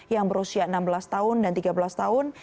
yang berusia enam belas tahun dan tiga belas tahun